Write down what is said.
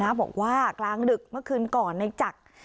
บอกว่ากลางดึกเมื่อคืนก่อนในจักร